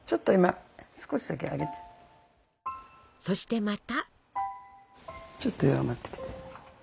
そしてまた。